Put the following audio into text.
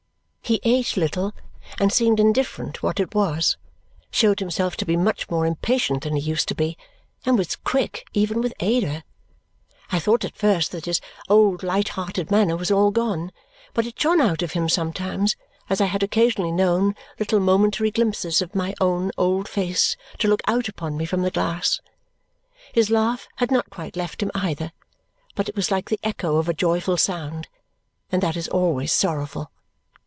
He ate little and seemed indifferent what it was, showed himself to be much more impatient than he used to be, and was quick even with Ada. I thought at first that his old light hearted manner was all gone, but it shone out of him sometimes as I had occasionally known little momentary glimpses of my own old face to look out upon me from the glass. His laugh had not quite left him either, but it was like the echo of a joyful sound, and that is always sorrowful.